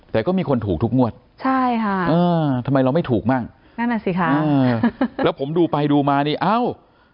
แต่ก็มีคนถูกทุกงวดใช่ค่ะเออทำไมเราไม่ถูกมั่งนั่นน่ะสิคะแล้วผมดูไปดูมานี่เอ้า